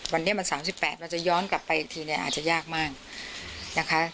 วันนี้มัน๓๘เราจะย้อนกลับไปอีกทีเนี่ยอาจจะยากมากนะคะ